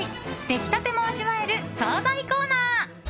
出来たても味わえる総菜コーナー。